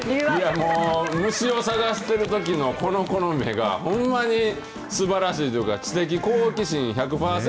虫を探しているときのこの子の目が、ほんまにすばらしいというか、知的好奇心１００％。